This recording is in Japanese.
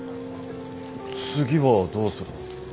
次はどうするの？